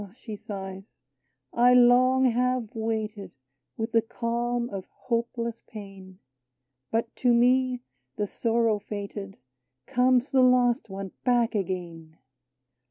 " she sighs, " I long have waited With the calm of hopeless pain, 32 AUTUMN But to me, the sorrow fated, Comes the lost one back again